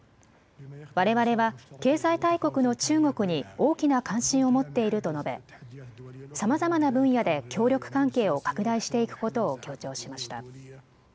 われわれは経済大国の中国に大きな関心を持っていると述べさまざまな分野で協力関係を拡大していくことを強調しました。